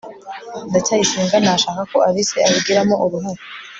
ndacyayisenga ntashaka ko alice abigiramo uruhare